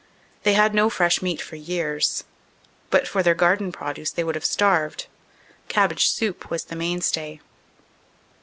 They had no fresh meat for years; but for their 340 CANADA S HUNDRED DAYS garden produce they would have starved; cabbage soup was the mainstay.